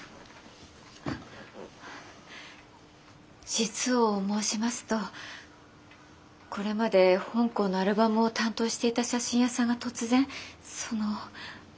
実を申しますとこれまで本校のアルバムを担当していた写真屋さんが突然その。